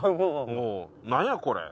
おう何やこれ？